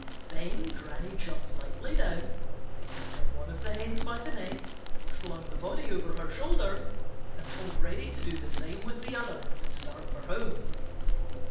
Then Granny jumped lightly down, picked up one of the hens by the neck, slung the body over her shoulder, and told Reddy to do the same with the other and start for home.